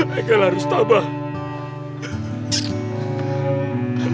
haikal harus sabar